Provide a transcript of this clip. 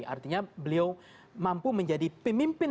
artinya beliau mampu menjadi pemimpin